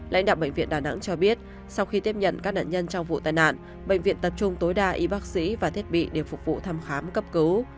lãnh đạo bệnh viện đà nẵng cho biết sau khi tiếp nhận các nạn nhân trong vụ tai nạn bệnh viện tập trung tối đa y bác sĩ và thiết bị để phục vụ thăm khám cấp cứu